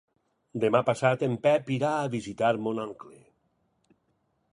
Demà passat en Pep irà a visitar mon oncle.